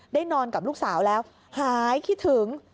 นอนกับลูกสาวแล้วหายคิดถึง